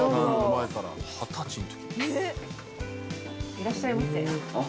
いらっしゃいませ。